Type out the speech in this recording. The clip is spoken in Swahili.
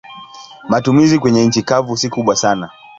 Matumizi kwenye nchi kavu si kubwa sana.